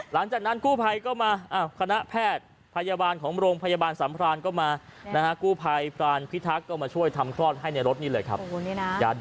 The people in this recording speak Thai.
เป็นผู้หญิงเป็นกระบะตัวดาต้า